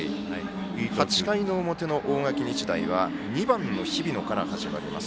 ８回の表の大垣日大は２番の日比野から始まります。